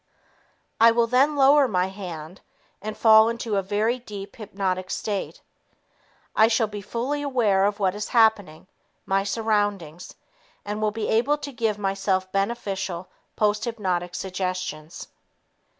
I will then lower my hand and fall into a very deep hypnotic state. I shall be fully aware of what is happening, my surroundings, and will be able to give myself beneficial posthypnotic suggestions."